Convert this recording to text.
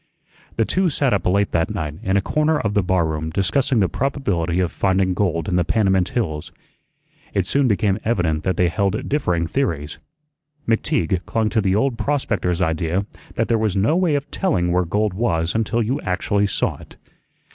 The two sat up late that night in a corner of the barroom discussing the probability of finding gold in the Panamint hills. It soon became evident that they held differing theories. McTeague clung to the old prospector's idea that there was no way of telling where gold was until you actually saw it.